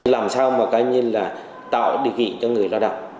làm sao mà cái như là tạo định vị cho người lao động